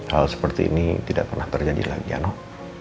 hal seperti ini tidak pernah terjadi lagi ya noh